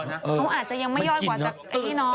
เขาอาจจะยังไม่ย่อยกว่าจากไอ้นี่น้อง